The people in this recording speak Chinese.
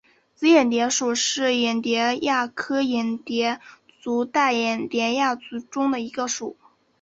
紫眼蝶属是眼蝶亚科眼蝶族黛眼蝶亚族中的一个属。